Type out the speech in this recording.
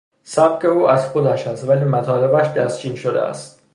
سبک او از خودش است ولی مطالبش دستچین شده است.